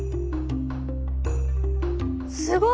すごい！